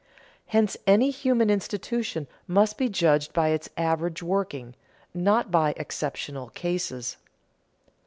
Hence any human institution must be judged by its average working, not by exceptional cases.